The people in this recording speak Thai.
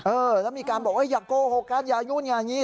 เออแล้วมีการบอกว่าอย่าโกหกกันอย่านู่นอย่าอย่างนี้